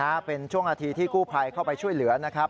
เป็นช่วงนาทีที่กู้ภัยเข้าไปช่วยเหลือนะครับ